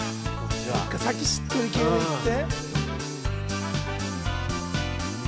さっきしっとり系でいって？